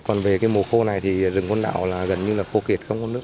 còn về cái mùa khô này thì rừng côn đảo là gần như là khô kiệt không có nước